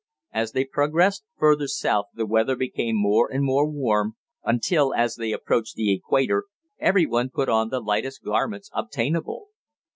As they progressed further south the weather became more and more warm, until, as they approached the equator, every one put on the lightest garments obtainable.